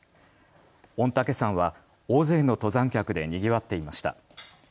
御嶽山は大勢の登山客でにぎわっていました。